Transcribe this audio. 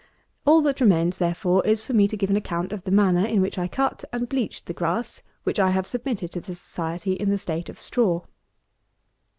All that remains, therefore, is for me to give an account of the manner in which I cut and bleached the grass which I have submitted to the Society in the state of straw.